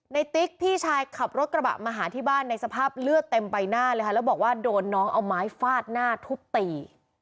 ติ๊กพี่ชายขับรถกระบะมาหาที่บ้านในสภาพเลือดเต็มใบหน้าเลยค่ะแล้วบอกว่าโดนน้องเอาไม้ฟาดหน้าทุบตี